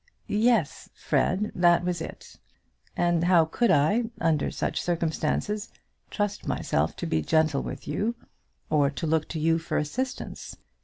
"Yes, Fred; that was it. And how could I, under such circumstances, trust myself to be gentle with you, or to look to you for assistance?